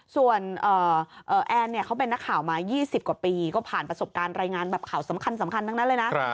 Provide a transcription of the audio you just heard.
ส่วนแอนเนี่ยเขาเป็นนักข่าวมา๒๐กว่าปีก็ผ่านประสบการณ์รายงานแบบข่าวสำคัญทั้งนั้นเลยนะ